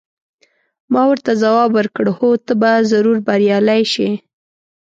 ما ورته ځواب ورکړ: هو، ته به ضرور بریالۍ شې.